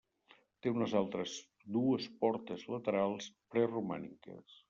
Té unes altres dues portes laterals preromàniques.